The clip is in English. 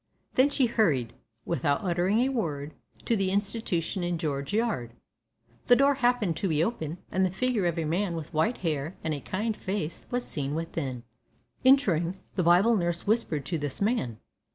Then she hurried, without uttering a word, to the Institution in George Yard. The door happened to be open, and the figure of a man with white hair and a kind face was seen within. Entering, the Bible nurse whispered to this man.